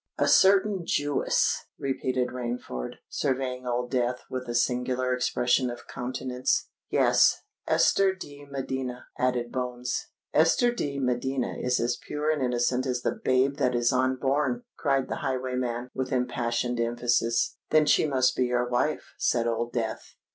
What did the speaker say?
"A certain Jewess!" repeated Rainford, surveying Old Death with a singular expression of countenance. "Yes—Esther de Medina," added Bones. "Esther de Medina is as pure and innocent as the babe that is unborn!" cried the highwayman, with impassioned emphasis. "Then she must be your wife," said Old Death.